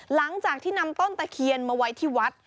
หลังจากที่นำต้นตะเคียนมาไว้ที่วัด